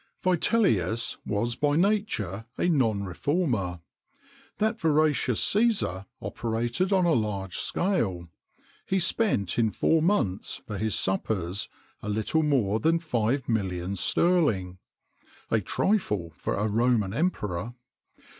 [XXIX 91] Vitellius was by nature a non reformer. That voracious Cæsar operated on a large scale; he spent in four months, for his suppers, a little more than five millions sterling.[XXIX 92] A trifle for a Roman emperor!